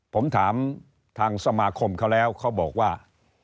ผมถามทางสมาคมเขาแล้วเขาบอกว่า